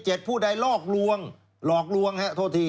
ถ้าผู้ใดหลอกลวงต้องโทษที